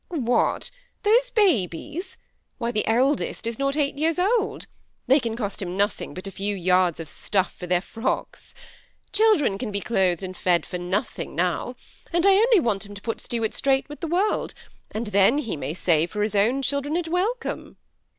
" What ! those babies ? Why the eldest is not eight years old ; they can cost him nothing but a few yards of stuff for their frodks. Children can be clothed and fed for nothing now ; and I only want him to put Stuart straight with the world, and then he may save for his own children, and welcome."